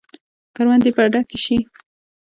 کروندې به ډکې شي.